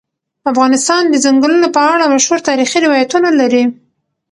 افغانستان د ځنګلونه په اړه مشهور تاریخی روایتونه لري.